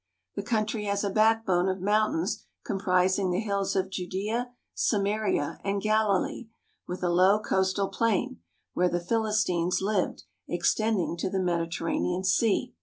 The country has a backbone of moun tains comprising the hills of Judea, Samaria, and Galilee, with a low coastal plain, where the Philistines lived, extend ing to the Mediterranean Sea.